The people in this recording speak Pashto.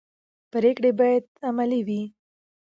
پرېکړې باید عملي وي